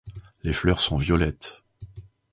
Les fleurs sont violettes.